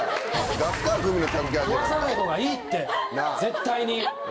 食わさない方がいいって絶対に。